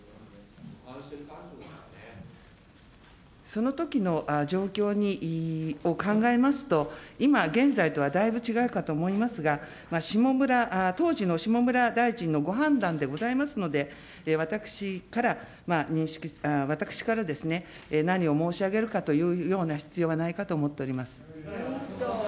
そのときの状況を考えますと、今現在とはだいぶ違うかとは思いますが、下村、当時の下村大臣のご判断でございますので、私から、私からですね、何を申し上げるかというような必要はないかと思っております。